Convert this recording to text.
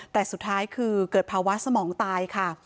แต่สุดท้ายคือเกิดภาวะสมองตายค่ะ